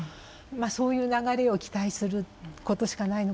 そういう流れを期待することしかないのかなと思います。